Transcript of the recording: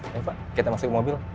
ya pa kita masuk ke mobil